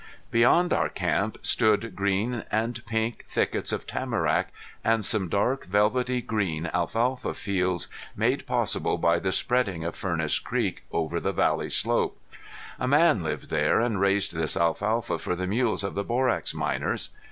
Beyond our camp stood green and pink thickets of tamarack, and some dark velvety green alfalfa fields, made possible by the spreading of Furnace Creek over the valley slope. A man lived there, and raised this alfalfa for the mules of the borax miners.